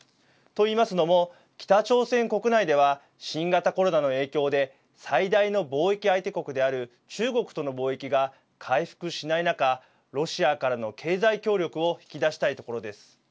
といいますのも北朝鮮国内では新型コロナの影響で最大の貿易相手国である中国との貿易が回復しない中ロシアからの経済協力を引き出したいところです。